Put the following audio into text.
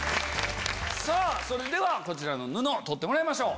それではこちらの布を取ってもらいましょう。